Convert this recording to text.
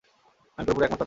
আমি পুরোপুরি একমত তাতে!